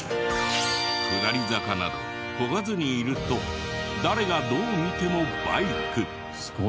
下り坂などこがずにいると誰がどう見てもバイク。